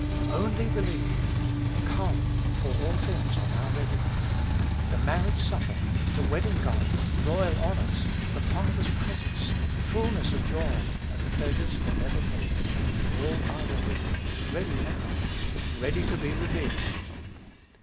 "Only believe;" "Come, for all things are now ready." The marriage supper; the wedding garment, royal honors, the Father's presence, fulness of joy, and pleasures for evermore all are ready, ready now "ready to be revealed."